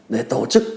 để tổ chức